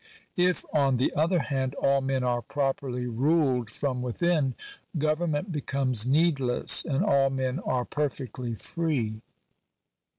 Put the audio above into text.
If, on the other hand, all men are properly ruled from within, govern ment becomes needless, and all men are perfectly fyop.